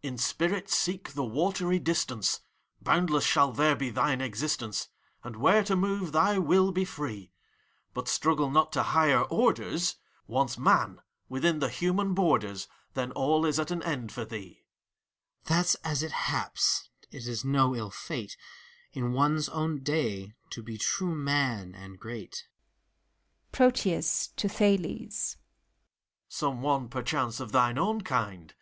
PROTBUS. In spirit seek the watery distance! Boundless shaU there be thine existence, And where to move, thy will be free. But struggle not to higher orders ! Once Man, within the human borders. Then all is at an end for thee. THALES. That's as it haps : 't is no ill fate In one's own day to be true man and great. PROTEUS (to ThALES). Some one, perchance, of thine own kind!